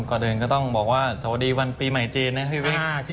ก่อนอื่นก็ต้องบอกว่าสวัสดีวันปีใหม่จีนนะพี่วิก